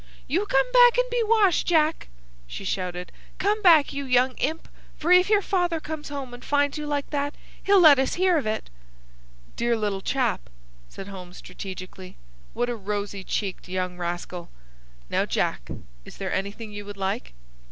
"You come back and be washed, Jack," she shouted. "Come back, you young imp; for if your father comes home and finds you like that, he'll let us hear of it." "Dear little chap!" said Holmes, strategically. "What a rosy cheeked young rascal! Now, Jack, is there anything you would like?"